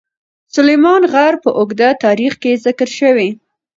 سلیمان غر په اوږده تاریخ کې ذکر شوی.